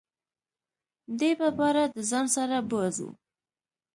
دی به باره دځان سره بوزو .